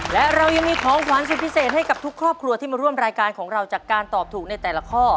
และเรายังมีของขวานสุดพิเศษให้กับทุกครอบครัวที่มาร่วมรายการของเราจากการตอบถูกในแต่ละข้อ